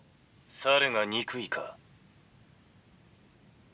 「猿が憎いか？」。